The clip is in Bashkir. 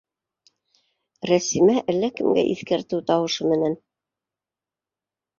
Рәсимә әллә кемгә иҫкәртеү тауышы менән: